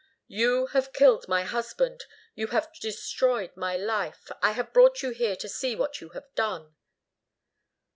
"You have killed my husband. You have destroyed my life. I have brought you here to see what you have done."